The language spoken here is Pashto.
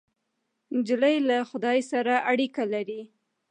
نجلۍ له خدای سره اړیکه لري.